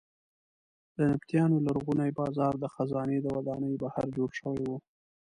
د نبطیانو لرغونی بازار د خزانې د ودانۍ بهر جوړ شوی و.